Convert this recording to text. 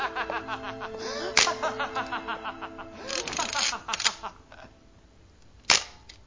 ハハハハハ！え？